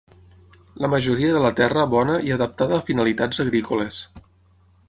La majoria de la Terra bona i adaptada a finalitats agrícoles.